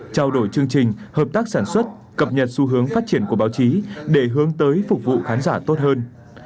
trao đổi chương trình hợp tác sản xuất cập nhật xu hướng phát triển của báo chí để hướng tới phục vụ khán giả tốt hơn